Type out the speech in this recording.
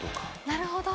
なるほど。